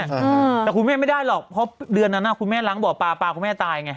แต่คุณแม่ไม่ได้หรอกเพราะเดือนนั้นคุณแม่ล้างบ่อปลาปลาคุณแม่ตายไง